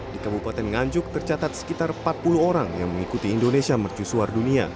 di kabupaten nganjuk tercatat sekitar empat puluh orang yang mengikuti indonesia mercusuar dunia